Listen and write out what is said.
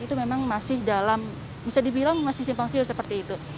itu memang masih dalam bisa dibilang masih simpang siur seperti itu